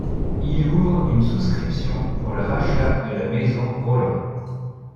Il ouvre une souscription pour le rachat de la maison Roland.